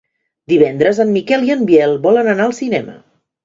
Divendres en Miquel i en Biel volen anar al cinema.